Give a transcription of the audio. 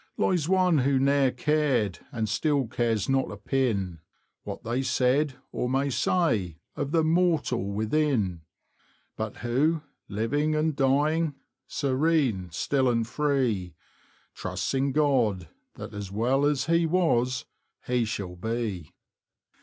Lies one who ne'er cared, & still cares not a pin What they said, or may say, of the mortal within. But who, living and dying, serene, still, & free Trusts in God, that as well as he was he shall be.